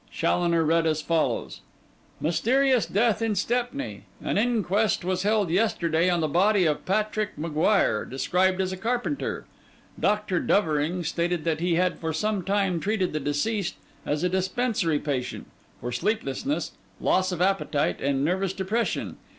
Challoner read as follows: 'Mysterious death in Stepney. An inquest was held yesterday on the body of Patrick M'Guire, described as a carpenter. Doctor Dovering stated that he had for some time treated the deceased as a dispensary patient, for sleeplessness, loss of appetite, and nervous depression.